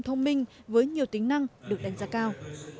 thông minh với nhiều tính năng được đánh giá cao